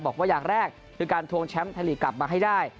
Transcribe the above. บอกว่าอย่างแรกคือการทวงแชมป์ไทยลีกกลับมาให้ได้